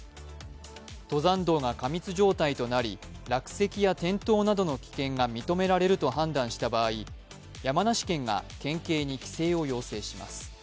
登山道が過密状態となり落石や転倒などの危険が認められると判断した場合、山梨県が県警に規制を要請します。